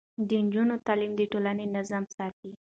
د نجونو تعليم د ټولنې نظم ساتي.